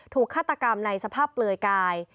ฆาตกรรมในสภาพเปลือยกาย